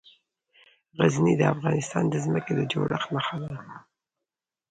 غزني د افغانستان د ځمکې د جوړښت نښه ده.